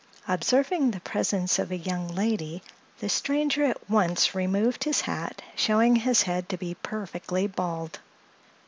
Observing the presence of a young lady the stranger at once removed his hat, showing his head to be perfectly bald.